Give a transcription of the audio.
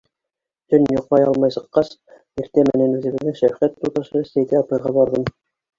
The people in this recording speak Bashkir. Төн йоҡлай алмай сыҡҡас, иртә менән үҙебеҙҙең шәфҡәт туташы Сәйҙә апайға барҙым.